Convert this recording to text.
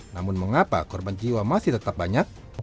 namun mengapa korban jiwa masih tetap banyak